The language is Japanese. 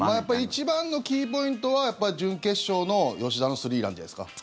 一番のキーポイントは準決勝の吉田のスリーランじゃないですか。